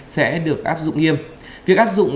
sẽ được áp dụng nghiêm việc áp dụng